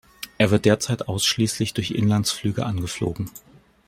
Er wird derzeit ausschließlich durch Inlandsflüge angeflogen.